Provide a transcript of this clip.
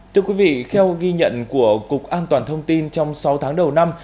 thưa quý vị theo ghi nhận của cục an toàn thông tin trong sáu tháng đầu năm